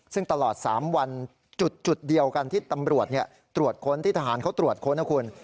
ซึ่งตลอด๓วันจุดเดียวกันที่ตำรวจตรวจค้นที่ทหารเขาตรวจค้นนะคุณ